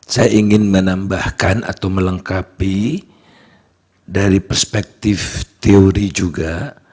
saya ingin menambahkan atau melengkapi dari perspektif teori juga